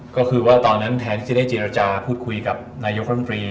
ก็คือว่าตอนนั้นแทนที่จะได้เจรจาพูดคุยกับนายกรัฐมนตรี